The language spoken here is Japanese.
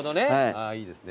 あぁいいですね。